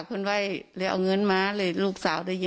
คุณจะเล่นรอบด้วย